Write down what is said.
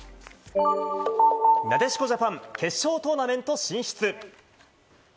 なでしこジャパン、決勝トーナメント進出。